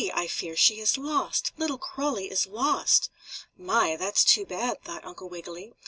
I fear she is lost! Little Crawlie is lost!" "My! That's too bad," thought Uncle Wiggily.